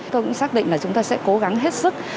tôi cũng xác định là chúng ta sẽ cố gắng hết sức